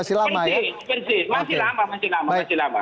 presiden masih lama masih lama